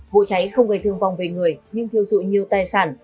vụ cháy không gây thương vong về người nhưng thiêu dụi nhiều tài sản